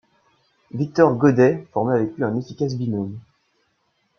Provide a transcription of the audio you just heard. Victor Goddet formait avec lui un efficace binôme.